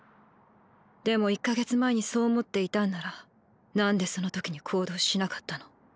でも１か月前にそう思っていたんなら何でその時に行動しなかったの？